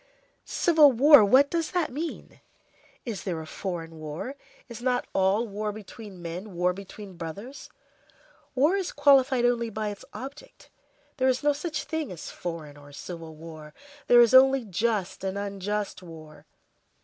Civil war—what does that mean? Is there a foreign war? Is not all war between men, war between brothers? War is qualified only by its object. There is no such thing as foreign or civil war; there is only just and unjust war.